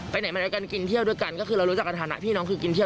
ไหนมาด้วยกันกินเที่ยวด้วยกันก็คือเรารู้จักกันฐานะพี่น้องคือกินเที่ยว